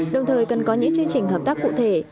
đồng thời cần có những chương trình hợp tác cụ thể